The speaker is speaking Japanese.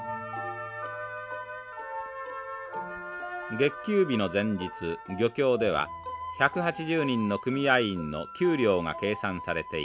月給日の前日漁協では１８０人の組合員の給料が計算されていました。